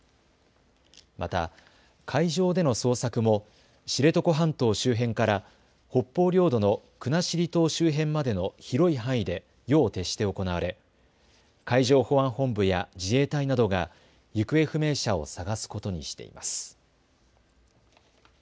また海上での捜索も知床半島周辺から北方領土の国後島周辺までの広い範囲で夜を徹して行われ海上保安本部や自衛隊などが行方不明者を捜すことにしています。